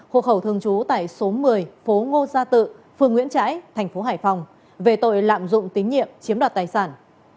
hộ khẩu thường trú tại số một mươi phố ngô gia tự phường nguyễn trãi thành phố hải phòng về tội lạm dụng tín nhiệm chiếm đoạt tài sản